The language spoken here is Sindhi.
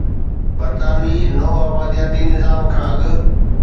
برطانوي نوآبادياتي نظام کان اڳ